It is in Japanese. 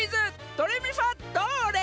ドレミファどれ？」